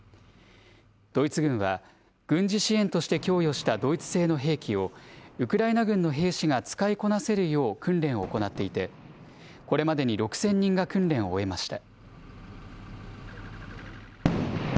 ドイツ軍は、軍事支援として供与したドイツ製の兵器を、ウクライナ軍の兵士が使いこなせるよう訓練を行っていて、これまでに６０００人が訓練を終えました。